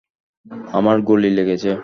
আমার গুলি লেগেছে।